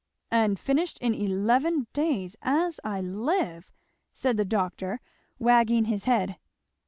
"And finished in eleven days, as I live!" said the doctor wagging his head.